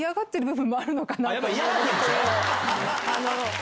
やっぱ嫌がってるんでしょ？